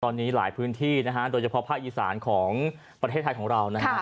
ตอนนี้หลายพื้นที่นะฮะโดยเฉพาะภาคอีสานของประเทศไทยของเรานะฮะ